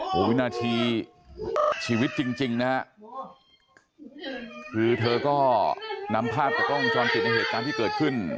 หน้าทีชีวิตจริงนะครับคือเธอก็นำภาพกับกล้องจอลติดในเหตุการณ์ที่เกิดขึ้น